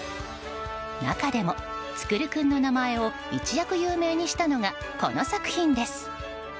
中でも、創君の名前を一躍有名にしたのがこの作品です。